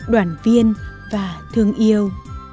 đoàn viên và thương yêu